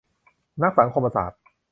นักสังคมศาสตร์